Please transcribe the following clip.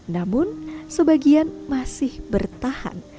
namun sebagian masih bertahan